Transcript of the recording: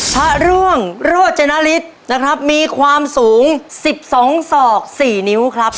พระร่วงโรจนาฬิตมีความสูง๑๒ศอก๔นิ้วครับ